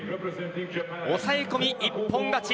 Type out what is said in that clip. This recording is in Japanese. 抑え込み一本勝ち。